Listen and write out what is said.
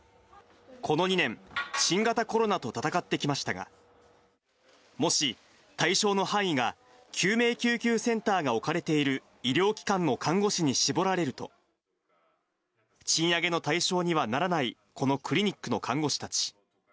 この２年、新型コロナと闘ってきましたが、もし、対象の範囲が救命救急センターが置かれている医療機関の看護師に絞られると、賃上げの対象にはならない、このクリニックの看護師たち。